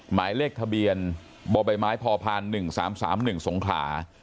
หมายเลขทะเบียนบบพ๑๓๓๑สงขา